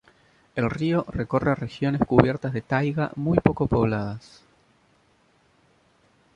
El río recorre regiones cubiertas de taiga muy poco pobladas.